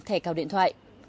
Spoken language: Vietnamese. thẻ cào điện thoại